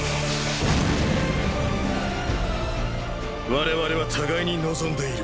我々は互いに望んでいる。